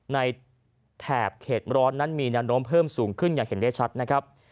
แถบเขตร้อนนั้นมีแนวโน้มเพิ่มสูงขึ้นอย่างเห็นได้ชัดนะครับ